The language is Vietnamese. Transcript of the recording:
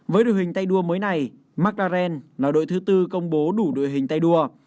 với đội hình tay đua mới này mclaren là đội thứ bốn công bố đủ đội hình tay đua